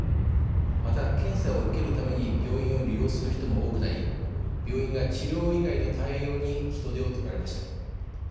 また、検査を受けるために病院を利用する人も多くなり病院が治療以外の対応に人手を取られました。